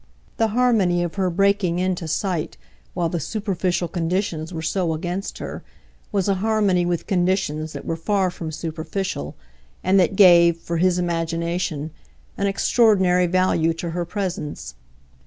The harmony of her breaking into sight while the superficial conditions were so against her was a harmony with conditions that were far from superficial and that gave, for his imagination, an extraordinary value to her presence.